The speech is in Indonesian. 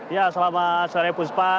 ya selamat sore puspa